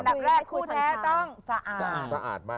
ทางดักแรกคู่แท้ต้องสะอาด